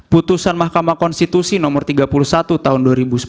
putusan mahkamah konstitusi nomor tiga puluh satu tahun dua ribu sepuluh